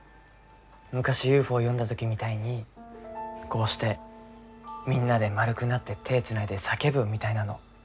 昔ＵＦＯ呼んだ時みたいにこうしてみんなで円くなって手つないで叫ぶみたいなの。